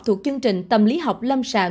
thuộc chương trình tâm lý học lâm sàng